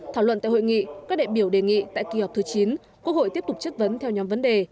thảo luận tại hội nghị các đại biểu đề nghị tại kỳ họp thứ chín quốc hội tiếp tục chất vấn theo nhóm vấn đề